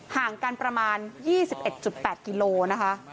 ห่างกันประมาณ๒๑๘กิโลนะคะ